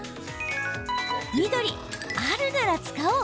緑・あるなら使おう！